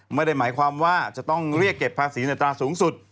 ไม่ได้หมายความว่าจะต้องเรียกเก็บภาษีในอัตราสูงสุด